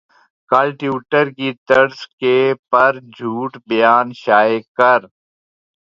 کل ٹیوٹر کی طرز کے پر چھوٹ پیغام شائع کر